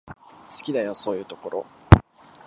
好きだよ、そういうところ。